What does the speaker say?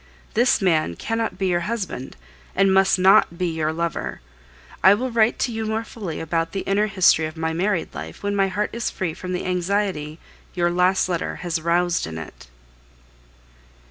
This man cannot be your husband, and must not be your lover. I will write to you more fully about the inner history of my married life when my heart is free from the anxiety your last letter has roused in it.